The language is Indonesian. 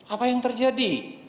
apa yang terjadi